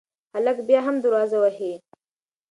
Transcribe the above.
هلک بیا هم دروازه وهي.